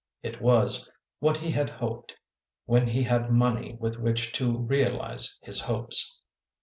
It was what he had hoped, when he had money with which to realize his hopes.